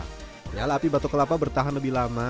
padahal api batok kelapa bertahan lebih lama